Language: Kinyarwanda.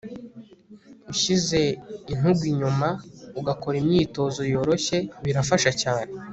ushyize intugu inyuma, ugakora imyitozo yoroshye, birafasha cyane